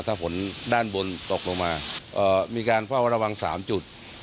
ถ้าฝนด้านบนตกลงมามีการเฝ้าระวัง๓จุด